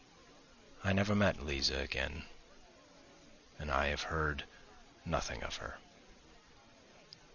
I never met Liza again and I have heard nothing of her.